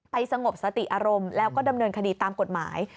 สงบสติอารมณ์แล้วก็ดำเนินคดีตามกฎหมาย